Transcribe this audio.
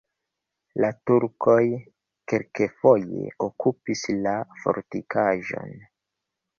La turkoj kelkfoje okupis la fortikaĵon.